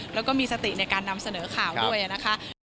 แล้วก็มีสติในการนำเสนอข่าวด้วยนะคะ